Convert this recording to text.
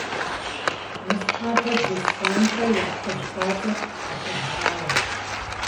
Ныщхьэбэ Беслъэнхэ я кхъужь пасэм дыхэвгъауэ.